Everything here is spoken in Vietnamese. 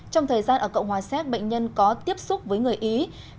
trong thời gian ở cộng hòa séc bệnh nhân có tiếp xúc với người ý